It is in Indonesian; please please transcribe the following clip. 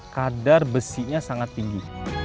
kadar besinya sangat tinggi